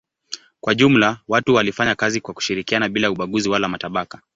Kwa jumla watu walifanya kazi kwa kushirikiana bila ubaguzi wala matabaka.